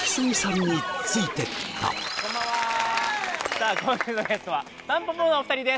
さあ今週のゲストはたんぽぽのお二人です